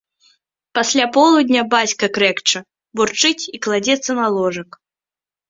Пасля полудня бацька крэкча, бурчыць і кладзецца на ложак.